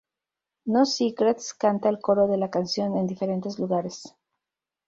No Secrets canta el coro de la canción en diferentes lugares.